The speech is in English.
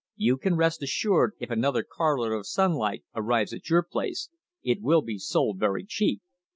You can rest assured if another carload of 'Sunlight' arrives at your place, it will be sold very cheap.